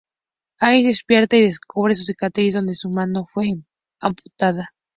Ash despierta y descubre su cicatriz donde su mano fue amputada.